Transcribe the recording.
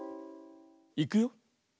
いくよ。